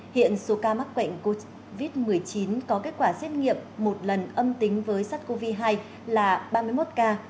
hiện số ca mắc bệnh covid một mươi chín có kết quả xét nghiệm một lần âm tính với sars cov hai là ba mươi một ca